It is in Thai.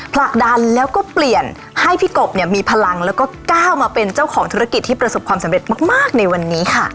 ผลักดันแล้วก็เปลี่ยนให้พี่กบเนี่ยมีพลังแล้วก็ก้าวมาเป็นเจ้าของธุรกิจที่ประสบความสำเร็จมากในวันนี้ค่ะ